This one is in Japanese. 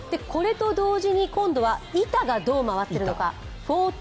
これと同時に今度は板がどう回っているのか。